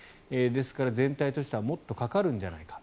ですから、全体としてはもっとかかるんじゃないか。